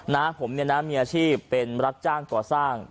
นะผมเนี่ยนะมีอาชีพเป็นรับจ้างก่อสร้าง